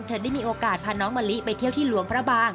ได้มีโอกาสพาน้องมะลิไปเที่ยวที่หลวงพระบาง